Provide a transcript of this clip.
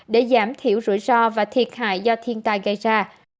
để giảm thiểu rủi ro và thiệt hại do thiên tai gây ra